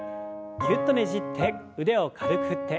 ぎゅっとねじって腕を軽く振って。